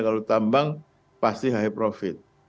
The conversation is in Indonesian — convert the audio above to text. kalau tambang pasti high profit